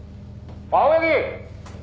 青柳！」